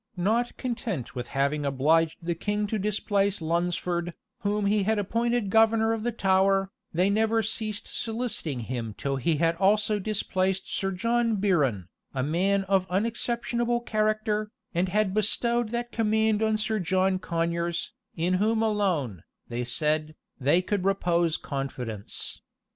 Not content with having obliged the king to displace Lunsford, whom he had appointed governor of the Tower,[*] they never ceased soliciting him till he had also displaced Sir John Biron, a man of unexceptionable character, and had bestowed that command on Sir John Conyers, in whom alone, they said, they could repose confidence.